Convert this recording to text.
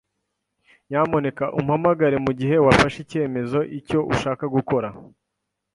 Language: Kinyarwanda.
Nyamuneka umpamagare mugihe wafashe icyemezo icyo ushaka gukora.